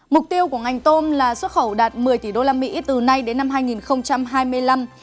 mục tiêu của ngành tôm là xuất khẩu đạt một mươi tỷ usd từ nay đến năm hai nghìn hai mươi năm